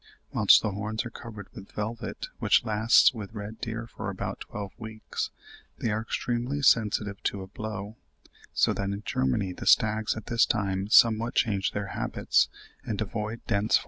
Whilst the horns are covered with velvet, which lasts with red deer for about twelve weeks, they are extremely sensitive to a blow; so that in Germany the stags at this time somewhat change their habits, and avoiding dense forests, frequent young woods and low thickets.